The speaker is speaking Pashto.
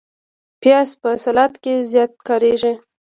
پیاز په سلاد کې زیات کارېږي